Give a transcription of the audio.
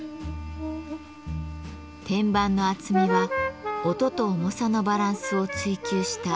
天板の厚みは音と重さのバランスを追求した１．５センチ。